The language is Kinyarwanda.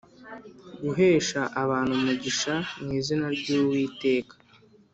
guhesha abantu umugisha mu izina ry Uwiteka